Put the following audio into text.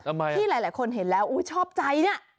ทำไมที่หลายคนเห็นแล้วชอบใจนี่